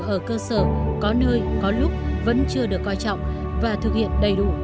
ở cơ sở có nơi có lúc vẫn chưa được coi trọng và thực hiện đầy đủ